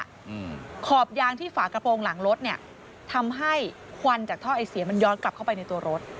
อืมขอบยางที่ฝากระโปรงหลังรถเนี้ยทำให้ควันจากท่อไอเสียมันย้อนกลับเข้าไปในตัวรถ